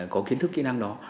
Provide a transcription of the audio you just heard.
có kiến thức kỹ năng đó